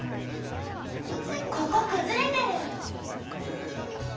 ここ崩れてる。